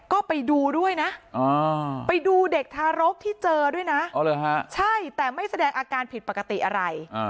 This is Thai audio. ก็ไปดูด้วยนะไปดูเด็กทารกที่เจอด้วยนะใช่แต่ไม่แสดงอาการผิดปกติอะไร